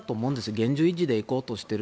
現状維持でいこうとしている。